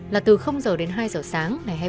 là từ h đến hai h sáng ngày hai mươi ba tháng ba